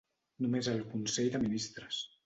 Només el consell de ministres.